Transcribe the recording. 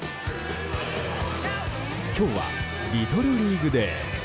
今日は、リトルリーグ・デー。